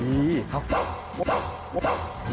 แมรี่หมอบว่าทำอะไรวะ